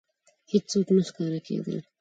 هېڅوک نه ښکاره کېدل.